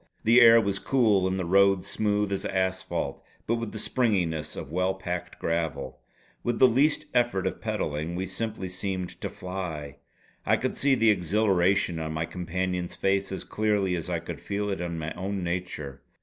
The air was cool and the road smooth as asphalt, but with the springiness of well packed gravel. With the least effort of pedalling we simply seemed to fly. I could see the exhilaration on my companion's face as clearly as I could feel it in my own nature.